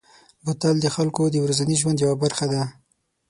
بوتل د خلکو د ورځني ژوند یوه برخه ده.